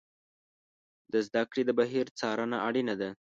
د زده کړې د بهیر څارنه اړینه ده.